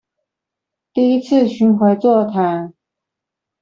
第一次巡迴座談